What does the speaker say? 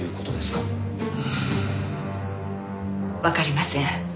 わかりません。